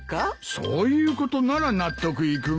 そういうことなら納得いくが。